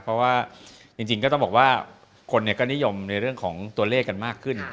เพราะว่าจริงก็ต้องบอกว่าคนก็นิยมในเรื่องของตัวเลขกันมากขึ้น